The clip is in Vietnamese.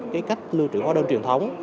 cái cách lưu trữ hóa đơn truyền thống